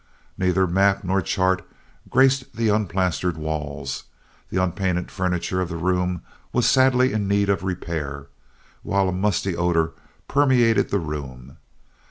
Neither map nor chart graced the unplastered walls, the unpainted furniture of the room was sadly in need of repair, while a musty odor permeated the room.